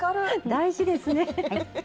大事ですね。